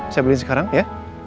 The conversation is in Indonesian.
saya beliin sekarang ya